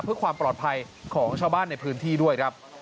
เพื่อความปลอดภัยของชาวบ้านในพื้นที่ด้วยครับ